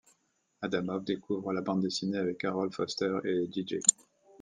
Adamov découvre la bande dessinée avec Harold Foster et Jijé.